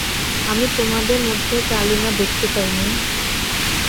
আমি তোমার মধ্যে কালিমা দেখতে পাই, মেয়ে।